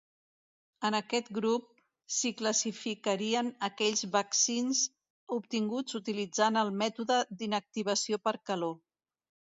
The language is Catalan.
En aquest grup s'hi classificarien aquells vaccins obtinguts utilitzant el mètode d'inactivació per calor.